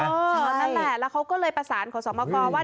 ใช่นั่นแหละแล้วเขาก็เลยประสานของสอบประกอบว่า